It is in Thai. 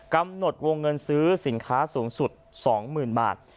กำหนดวงเงินซื้อสินค้าสูงสุด๒๐๐๐บาท